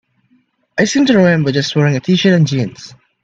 I seem to remember just wearing a t-shirt and jeans.